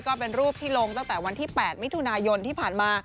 ก็เป็นรูปที่ลงตั้งแต่วันที่๘มิถุนายนที่ผ่านมา